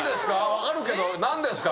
分かるけど何ですか？